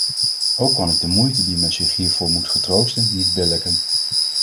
Ook kan ik de moeite die men zich hiervoor moet getroosten, niet billijken.